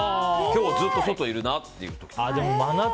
今日、ずっと外にいるなっていう時。